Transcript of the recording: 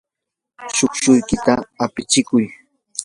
chushchuykita apchikuy.